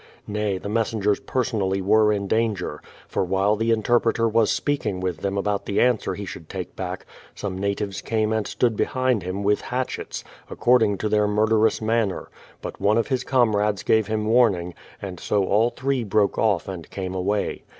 Nay, the messengers person ally were in danger ; for while the interpreter was speaking with them about the answer he should take back, some natives came and stood behind him with hatchets, according to their murderous manner; but one of his comrades gave him warning, and so all three broke off and came away.